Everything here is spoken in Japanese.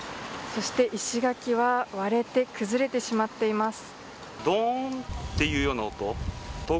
そして石垣は割れて崩れてしまっています。